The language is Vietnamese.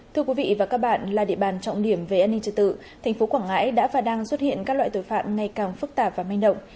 thưa quý vị và các bạn là địa bàn trọng điểm về an ninh trật tự thành phố quảng ngãi đã và đang xuất hiện các loại tội phạm ngày càng phức tạp và manh động